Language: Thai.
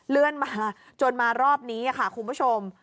เลื่อนมาจนมารอบนี้ค่ะคุณผู้ชม